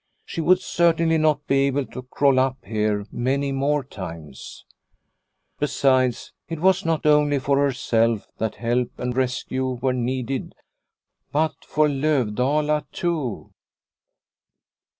She would certainly not be able to crawl up here many more times. Besides, it was not only for herself that help and rescue were needed, but for Lovdala too.